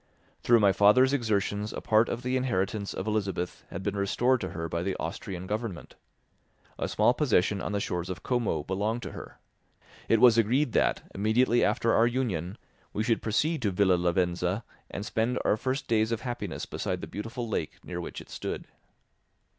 Through my father's exertions a part of the inheritance of Elizabeth had been restored to her by the Austrian government. A small possession on the shores of Como belonged to her. It was agreed that, immediately after our union, we should proceed to Villa Lavenza and spend our first days of happiness beside the beautiful lake near which it stood.